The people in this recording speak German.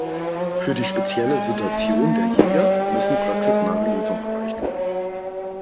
Für die spezielle Situation der Jäger müssen praxisnahe Lösungen erreicht werden.